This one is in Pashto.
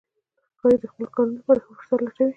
ښکاري د خپلو ښکارونو لپاره ښه فرصت لټوي.